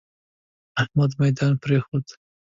احمد ميدان پرېښود.